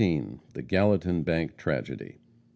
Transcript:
THE GALLATIN BANK TRAGEDY.